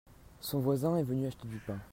Son voisin est venu acheter du pain.